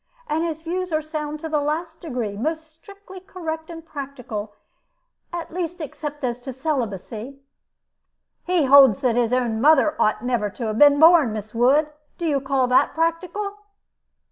And his views are sound to the last degree, most strictly correct and practical at least except as to celibacy." "He holds that his own mother ought never to have been born! Miss Wood, do you call that practical?"